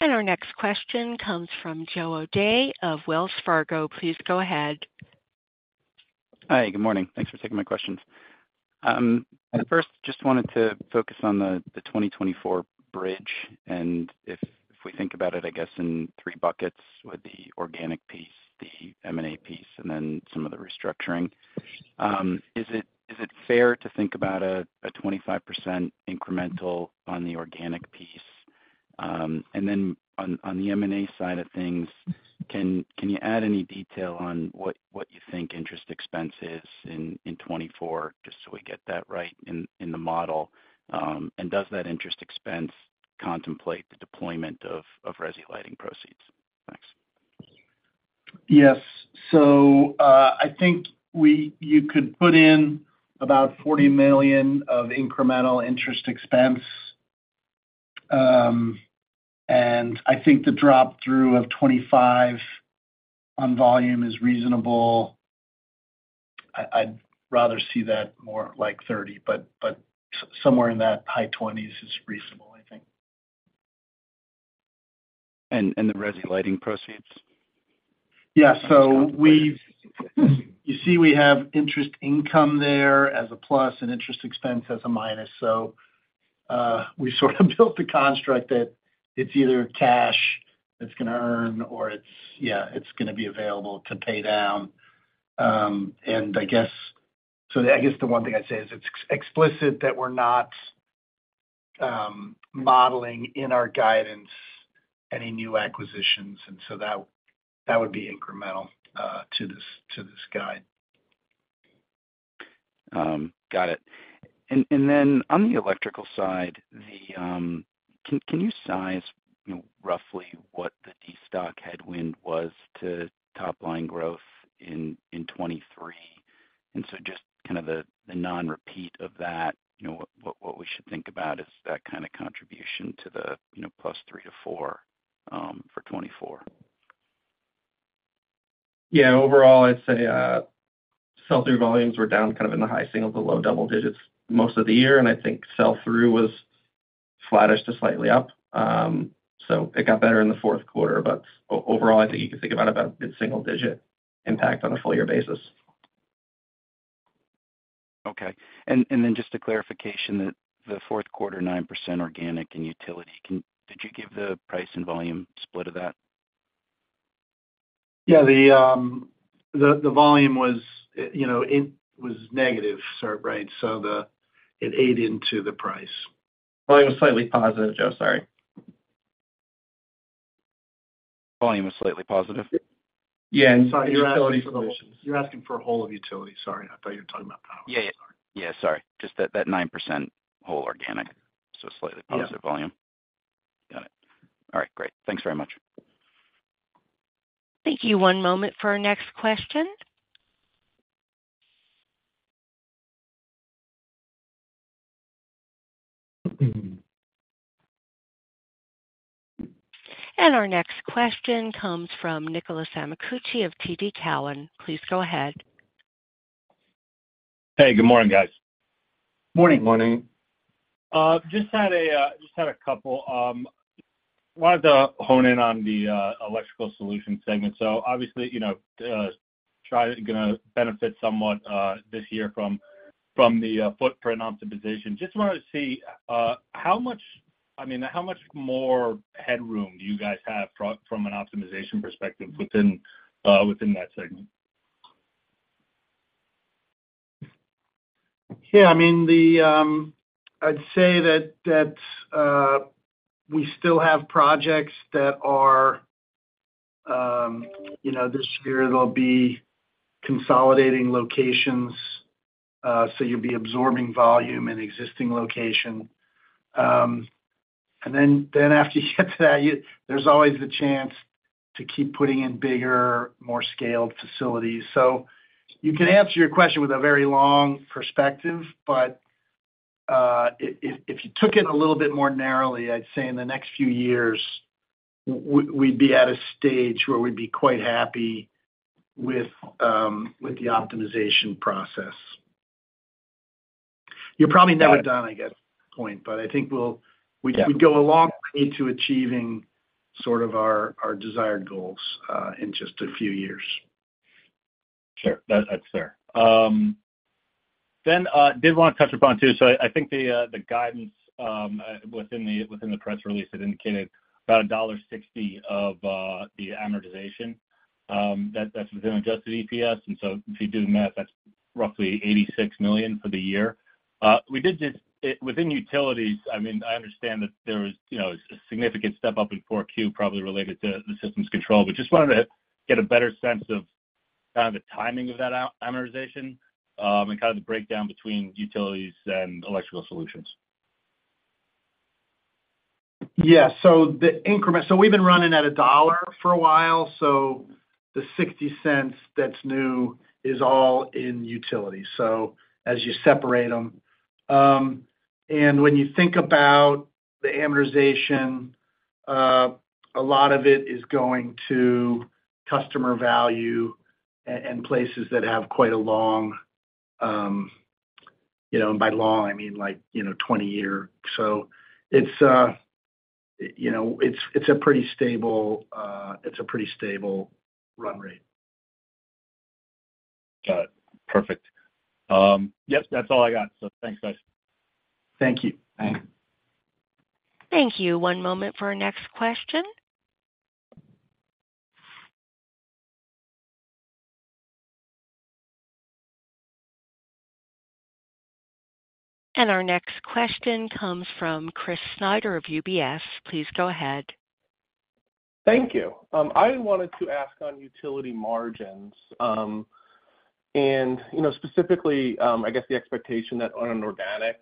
Our next question comes from Joe O'Dea of Wells Fargo. Please go ahead. Hi, good morning. Thanks for taking my questions. I first just wanted to focus on the 2024 bridge, and if we think about it, I guess in three buckets with the organic piece, the M&A piece, and then some of the restructuring. Is it fair to think about a 25% incremental on the organic piece? And then on the M&A side of things, can you add any detail on what you think interest expense is in 2024, just so we get that right in the model? And does that interest expense contemplate the deployment of resi lighting proceeds? Thanks. Yes. So, I think we—you could put in about $40 million of incremental interest expense. And I think the drop-through of 25 on volume is reasonable. I'd rather see that more like 30, but, but somewhere in that high 20s is reasonable, I think. And the resi lighting proceeds? Yeah. So we've you see, we have interest income there as a plus and interest expense as a minus. So, we sort of built the construct that it's either cash that's going to earn or it's, yeah, it's going to be available to pay down. And I guess, so I guess the one thing I'd say is it's explicit that we're not modeling in our guidance any new acquisitions, and so that, that would be incremental to this, to this guide. Got it. And then on the electrical side, the... Can you size, you know, roughly what the destock headwind was to top-line growth in 2023? And so just kind of the non-repeat of that, you know, what we should think about is that kind of contribution to the +3-4 for 2024. Yeah, overall, I'd say, sell-through volumes were down kind of in the high single digits to low double digits most of the year, and I think sell-through was flattish to slightly up. So it got better in the fourth quarter, but overall, I think you can think about a mid-single digit impact on a full year basis. Okay. And then just a clarification that the fourth quarter, 9% organic and utility. Did you give the price and volume split of that? Yeah, the volume was, you know, it was negative, so, right? So it ate into the price. Volume was slightly positive, Joe. Sorry. Volume was slightly positive? Yeah. You're asking for a whole of utility. Sorry, I thought you were talking about power. Yeah, yeah. Yeah, sorry. Just that 9% whole organic, so slightly positive- Yeah Volume. Got it. All right, great. Thanks very much. Thank you. One moment for our next question. Our next question comes from Nicholas Amicucci of TD Cowen. Please go ahead. Hey, good morning, guys. Morning. Morning. Just had a couple. Wanted to hone in on the Electrical Solutions segment. So obviously, you know, gonna benefit somewhat this year from the footprint optimization. Just wanted to see how much, I mean, how much more headroom do you guys have from an optimization perspective within that segment? Yeah, I mean, the... I'd say that we still have projects that are, you know, this year they'll be consolidating locations, so you'll be absorbing volume in existing location. And then after you get to that, there's always the chance to keep putting in bigger, more scaled facilities. So you can answer your question with a very long perspective, but if you took it a little bit more narrowly, I'd say in the next few years, we'd be at a stage where we'd be quite happy with the optimization process. You're probably never done, I guess, point, but I think we'll- Yeah. We'd go a long way to achieving sort of our, our desired goals, in just a few years. Sure. That's fair. Then did want to touch upon too. So I think the guidance within the press release indicated about $1.60 of the amortization that's within adjusted EPS. And so if you do the math, that's roughly $86 million for the year. We did just within utilities. I mean, I understand that there was, you know, a significant step up in 4Q, probably related to the Systems Control. But just wanted to get a better sense of kind of the timing of that amortization and kind of the breakdown between utilities and electrical solutions.... Yeah, so the increment, so we've been running at $1 for a while, so the $0.60 that's new is all in utility. So as you separate them, and when you think about the amortization, a lot of it is going to customer value and places that have quite a long, you know, and by long, I mean, like, you know, 20-year. So it's, you know, it's, it's a pretty stable, it's a pretty stable run rate. Got it. Perfect. Yep, that's all I got. So thanks, guys. Thank you. Bye. Thank you. One moment for our next question. Our next question comes from Chris Snyder of UBS. Please go ahead. Thank you. I wanted to ask on utility margins, and, you know, specifically, I guess the expectation that on an organic,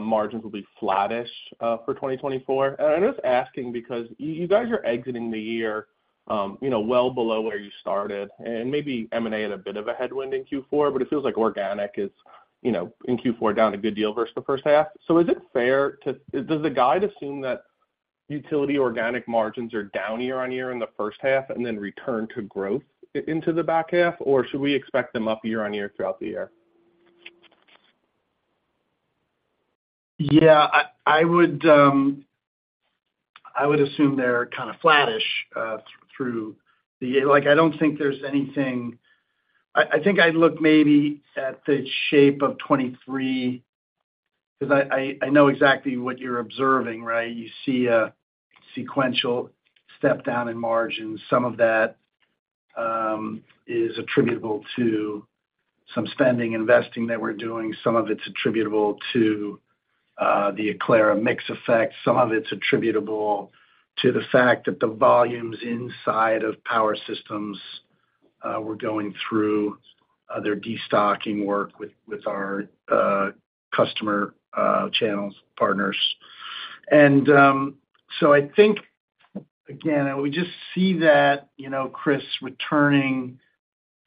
margins will be flattish, for 2024. And I'm just asking because you guys are exiting the year, you know, well below where you started, and maybe M&A had a bit of a headwind in Q4, but it feels like organic is, you know, in Q4, down a good deal versus the first half. So, does the guide assume that utility organic margins are down year on year in the first half and then return to growth into the back half? Or should we expect them up year on year throughout the year? Yeah, I would assume they're kind of flattish through the... Like, I don't think there's anything-- I know exactly what you're observing, right? You see a sequential step down in margins. Some of that is attributable to some spending, investing that we're doing. Some of it's attributable to the Aclara mix effect. Some of it's attributable to the fact that the volumes inside of Power Systems were going through their destocking work with our customer channels, partners. And so I think, again, and we just see that, you know, Chris, returning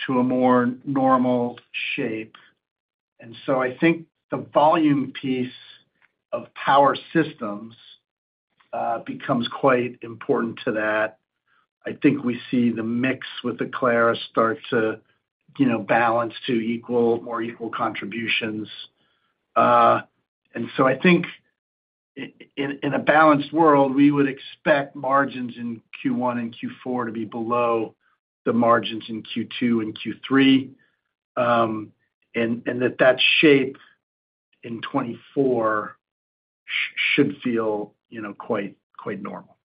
to a more normal shape. And so I think the volume piece of Power Systems becomes quite important to that. I think I'd look maybe at the shape of 2023, 'cause I know exactly what you're observing, right? I think we see the mix with Aclara start to, you know, balance to equal, more equal contributions. And so I think in, in a balanced world, we would expect margins in Q1 and Q4 to be below the margins in Q2 and Q3, and that shape in 2024 should feel, you know, quite normal.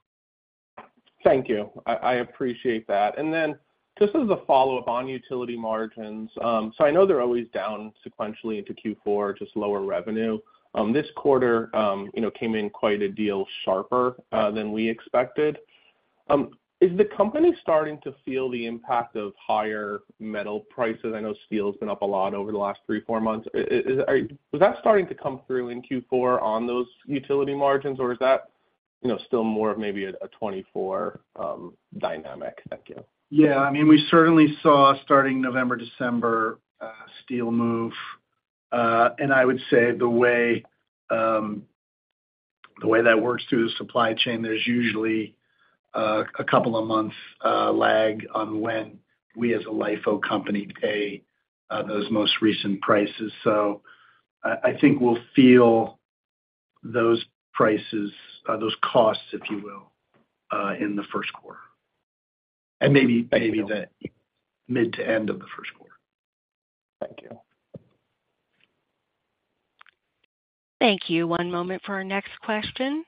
Thank you. I appreciate that. And then just as a follow-up on utility margins, so I know they're always down sequentially into Q4, just lower revenue. This quarter, you know, came in quite a deal sharper than we expected. Is the company starting to feel the impact of higher metal prices? I know steel has been up a lot over the last three, four months. Was that starting to come through in Q4 on those utility margins, or is that, you know, still more of maybe a 2024 dynamic? Thank you. Yeah, I mean, we certainly saw starting November, December, steel move. And I would say the way, the way that works through the supply chain, there's usually a couple of months lag on when we, as a LIFO company, pay those most recent prices. So I, I think we'll feel those prices, those costs, if you will, in the first quarter, and maybe, maybe the mid to end of the first quarter. Thank you. Thank you. One moment for our next question.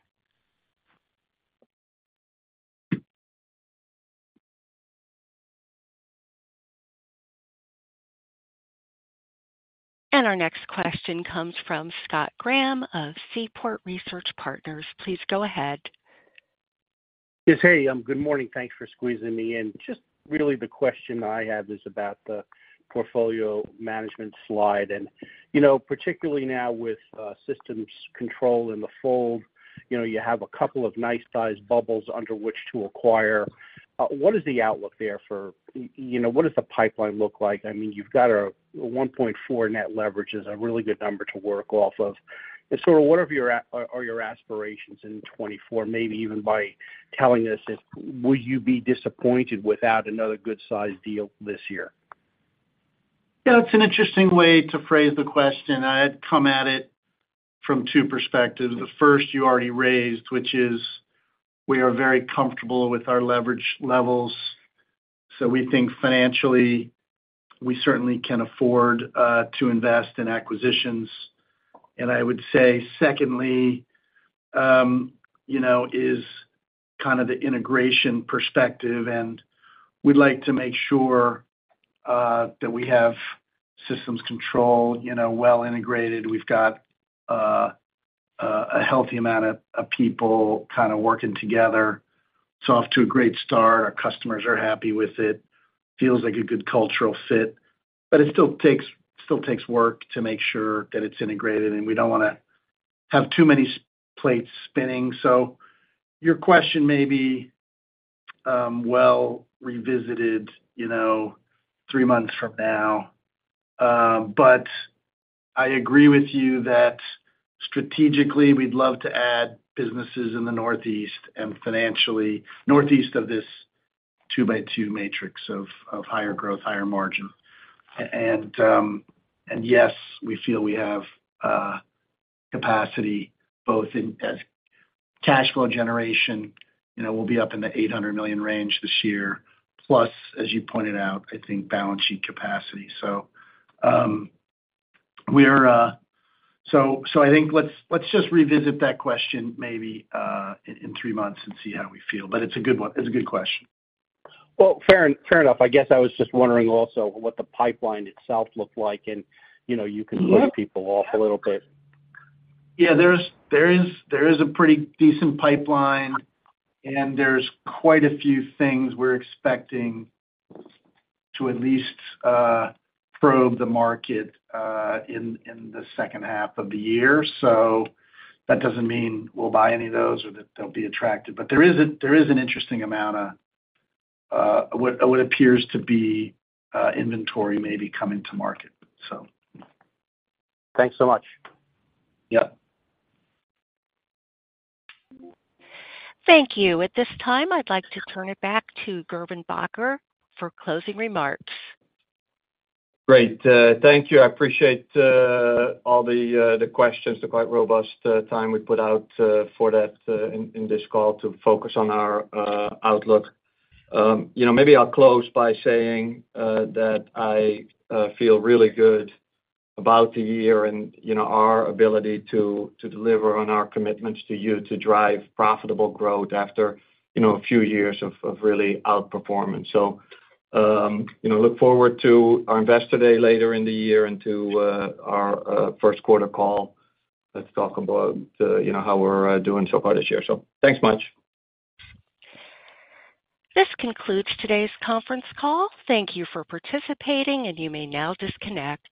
Our next question comes from Scott Graham of Seaport Research Partners. Please go ahead. Yes, hey, good morning. Thanks for squeezing me in. Just really the question I have is about the portfolio management slide. And, you know, particularly now with Systems Control in the fold, you know, you have a couple of nice sized bubbles under which to acquire. What is the outlook there for... You know, what does the pipeline look like? I mean, you've got a 1.4 net leverage is a really good number to work off of. And so what are your aspirations in 2024? Maybe even by telling us if, will you be disappointed without another good-sized deal this year? Yeah, it's an interesting way to phrase the question. I'd come at it from two perspectives. The first you already raised, which is we are very comfortable with our leverage levels, so we think financially, we certainly can afford to invest in acquisitions. And I would say secondly, you know, is kind of the integration perspective, and we'd like to make sure that we have Systems Control, you know, well integrated. We've got a healthy amount of people kind of working together. It's off to a great start. Our customers are happy with it. Feels like a good cultural fit, but it still takes work to make sure that it's integrated, and we don't wanna have too many plates spinning. So your question may be well revisited, you know, three months from now. But I agree with you that strategically, we'd love to add businesses in the Northeast and financially, Northeast of this two-by-two matrix of higher growth, higher margin. And yes, we feel we have capacity, both in, as cash flow generation, you know, we'll be up in the $800 million range this year. Plus, as you pointed out, I think balance sheet capacity. So we're... So I think let's just revisit that question maybe in three months and see how we feel. But it's a good one. It's a good question. Well, fair, fair enough. I guess I was just wondering also what the pipeline itself looked like, and, you know, you can load people off a little bit. Yeah, there's a pretty decent pipeline, and there's quite a few things we're expecting to at least probe the market in the second half of the year. So that doesn't mean we'll buy any of those or that they'll be attractive, but there is an interesting amount of what appears to be inventory maybe coming to market, so. Thanks so much. Yep. Thank you. At this time, I'd like to turn it back to Gerben Bakker for closing remarks. Great. Thank you. I appreciate all the, the questions, the quite robust time we put out, for that, in this call to focus on our outlook. You know, maybe I'll close by saying, that I feel really good about the year and, you know, our ability to deliver on our commitments to you, to drive profitable growth after, you know, a few years of really outperforming. So, you know, look forward to our Investor Day later in the year and to our first quarter call. Let's talk about, you know, how we're doing so far this year. So thanks much. This concludes today's conference call. Thank you for participating, and you may now disconnect.